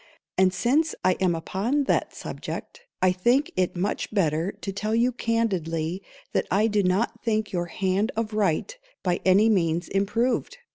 _ And since I am upon that subject, I think it much better to tell you candidly that I do not think your hand of write by any means improved.